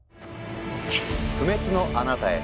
「不滅のあなたへ」。